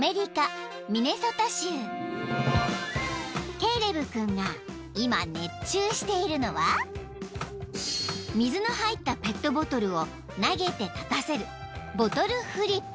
［ケイレブ君が今熱中しているのは水の入ったペットボトルを投げて立たせる］